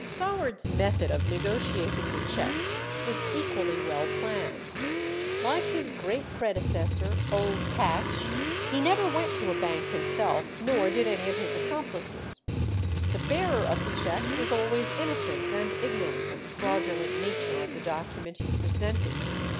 Saward's method of negotiating the cheques was equally well planned. Like his great predecessor Old Patch, he never went to a bank himself, nor did any of his accomplices. The bearer of the cheque was always innocent and ignorant of the fraudulent nature of the document he presented.